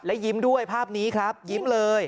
และยิ้มด้วยภาพนี้ครับยิ้มเลย